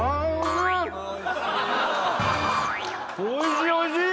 おいしいおいしい！